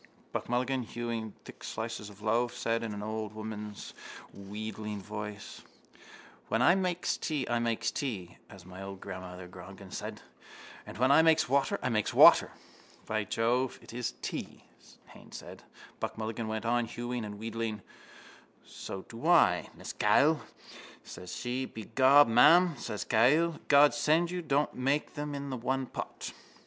Buck Mulligan, hewing thick slices from the loaf, said in an old woman's wheedling voice: —When I makes tea I makes tea, as old mother Grogan said. And when I makes water I makes water. —By Jove, it is tea, Haines said. Buck Mulligan went on hewing and wheedling: —So I do, Mrs Cahill, says she. Begob, ma'am, says Mrs Cahill, _God send you don't make them in the one pot.